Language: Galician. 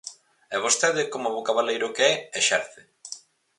E vostede, como bo cabaleiro que é, exerce.